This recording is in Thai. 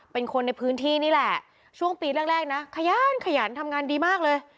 เป็นคนในพื้นที่นี่แหละช่วงปีแรกนะขยันขยันทำงานดีมากเลย